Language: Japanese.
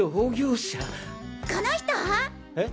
この人？え？